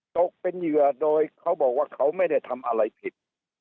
ตกเป็นเหยื่อโดยเขาบอกว่าเขาไม่ได้ทำอะไรผิด